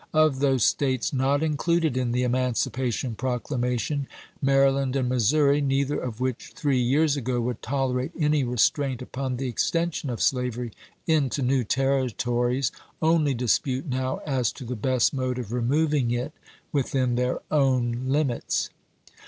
Of those States not included in the Emancipa tion Proclamation, Maryland and Missouri, neither of which three years ago would tolerate any restraint upon the extension of slavery into new Territories, only dispute DOW as to the best mode of removing it within their own limits.